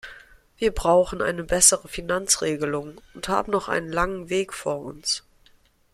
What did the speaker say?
Wir brauchen eine bessere Finanzregelung, und haben noch einen langen Weg vor uns.